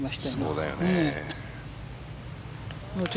そうだよね。